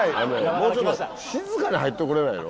もうちょっと静かに入って来れないの？